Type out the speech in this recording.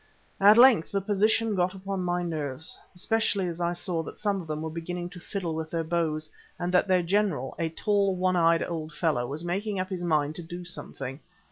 At length the position got upon my nerves, especially as I saw that some of them were beginning to fiddle with their bows, and that their General, a tall, one eyed old fellow, was making up his mind to do something.